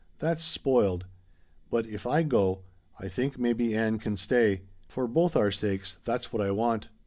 That's spoiled. But if I go I think maybe Ann can stay. For both our sakes, that's what I want.